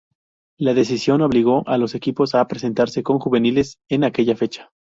La decisión obligó a los equipos a presentarse con juveniles en aquella fecha.